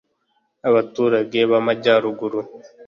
Abaturage b amajyaruguru